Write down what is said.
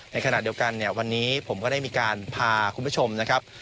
ในขณะเดียวกันเนี่ยวันนี้ผมก็ได้มีการพาคุณผู้ชมนะครับ